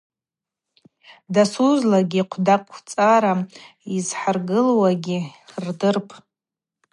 Дасузглакӏгьи хъвдаквцӏарата йызхӏыргылуагьи рдырпӏ.